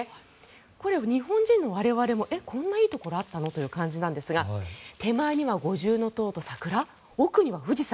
これは日本人の我々もこんないいところあったの？という感じですが手前には五重塔の桜奥には富士山。